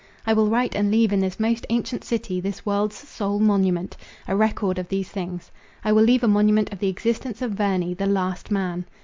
I will write and leave in this most ancient city, this "world's sole monument," a record of these things. I will leave a monument of the existence of Verney, the Last Man.